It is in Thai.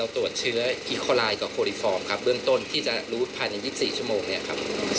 ตอนที่๑นี้พวกมันมาต้องหาความสงสัยในอุจจาระ